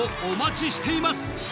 お待ちしています